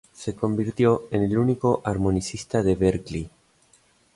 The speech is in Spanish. Se convirtió en el único armonicista de Berklee.